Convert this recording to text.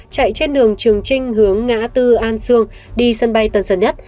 chạy trên đường trường trinh hướng ngã tư an sương đi sân bay tân sơn nhất